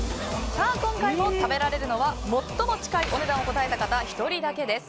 今回も食べられるのは最も近いお値段を答えた方１人だけです。